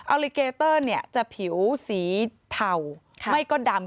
อัลลิเกเตอร์จะผิวสีเทาไม่ก็ดำ